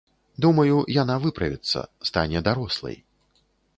Думаю, яна выправіцца, стане дарослай.